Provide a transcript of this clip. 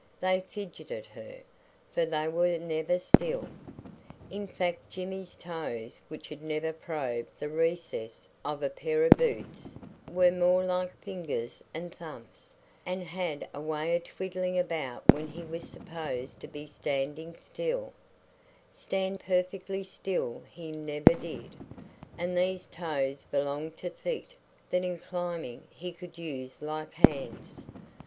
They fidgeted her, for they were never still. In fact Jimmy's toes, which had never probed the recesses of a pair of boots, were more like fingers and thumbs, and had a way of twiddling about when he was supposed to be standing still stand perfectly still he never did and these toes belonged to feet that in climbing he could use like hands.